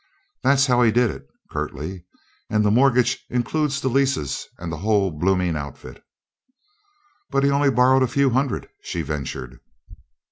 "That's how he did it," curtly. "And the mortgage includes the leases and the whole bloomin' outfit." "But he only borrowed a few hundred," she ventured.